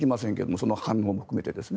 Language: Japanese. その反応も含めてですね。